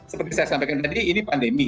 seperti saya sampaikan tadi ini pandemi